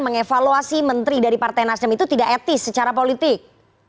mengevaluasi menteri dari partai nasdem itu tidak etis secara politik